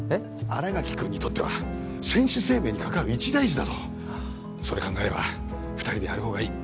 新垣君にとっては選手生命に関わる一大事だぞそれ考えれば二人でやる方がいい